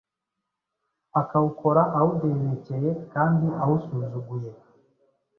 akawukora awudebekeye kandi awusuzuguye,